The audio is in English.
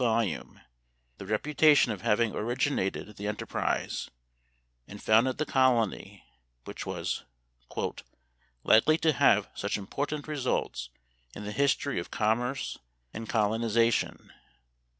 volume the reputation of having originated the enterprise, and founded the colony which was "likely to have such important results in the history of commerce and colonization."